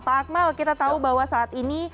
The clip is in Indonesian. pak akmal kita tahu bahwa saat ini